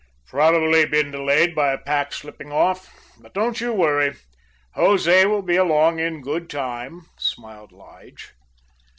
"Probably been delayed by a pack slipping off. But don't you worry. Jose will be along in good time," smiled Lige.